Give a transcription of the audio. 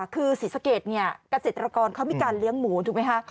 คือศรีสะเกดเนี่ยเกษตรกรเขามีการเลี้ยงหมูถูกไหมคะ